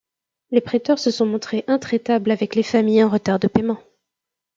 Les prêteurs se sont montrés intraitables avec les familles en retard de paiement.